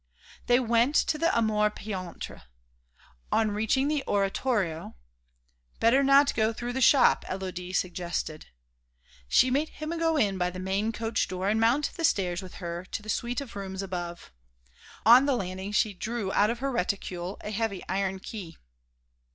They went to the Amour peintre. On reaching the Oratoire: "Better not go through the shop," Élodie suggested. She made him go in by the main coach door and mount the stairs with her to the suite of rooms above. On the landing she drew out of her reticule a heavy iron key.